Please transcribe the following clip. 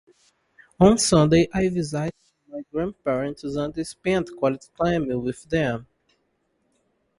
On Sunday, I visited my grandparents and spent quality time with them.